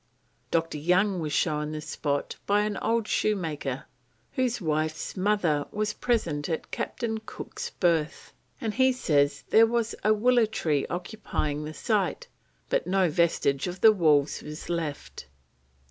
Dr. Young was shown the spot by an old shoemaker whose wife's mother was present at Captain Cook's birth, and he says there was a willow tree occupying the site, but no vestige of the walls was left.